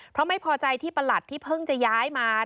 เพราะไม่พอใจที่ประหลัดที่เพิ่งจะย้ายมา